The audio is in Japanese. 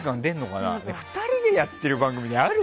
２人でやっている番組である？